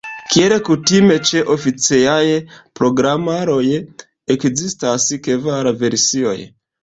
Kiel kutime ĉe oficejaj programaroj, ekzistas kvar versioj.